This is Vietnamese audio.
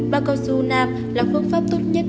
bao cơ sư nam là phương pháp tốt nhất